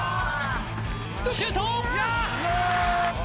シュート！